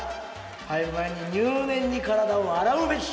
入る前に入念に体を洗うべし。